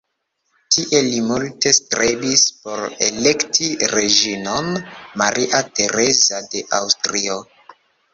Tie li multe strebis por elekti reĝinon Maria Tereza de Aŭstrio.